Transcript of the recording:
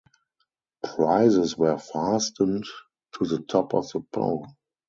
Prizes were fastened to the top of the pole.